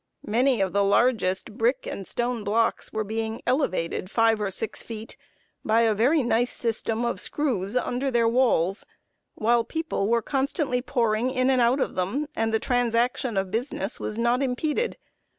Many of the largest brick and stone blocks were being elevated five or six feet, by a very nice system of screws under their walls, while people were constantly pouring in and out of them, and the transaction of business was not impeded.